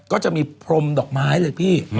ก็จะมีพรมดอกไม้เลยพี่